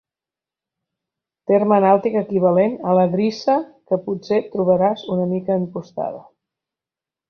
Terme nàutic equivalent a la drissa que potser trobaràs una mica impostada.